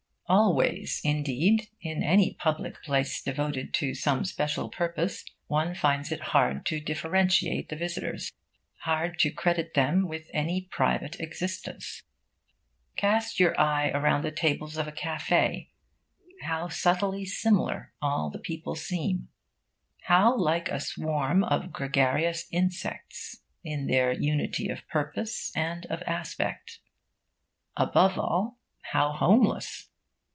Always, indeed, in any public place devoted to some special purpose, one finds it hard to differentiate the visitors, hard to credit them with any private existence. Cast your eye around the tables of a cafe': how subtly similar all the people seem! How like a swarm of gregarious insects, in their unity of purpose and of aspect! Above all, how homeless!